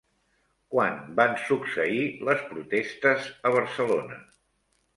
Quan van succeir les protestes a Barcelona?